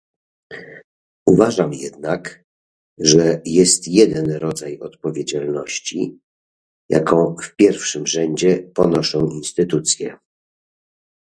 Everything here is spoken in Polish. Uważam jednak, że jest jeden rodzaj odpowiedzialności, jaką w pierwszym rzędzie ponoszą instytucje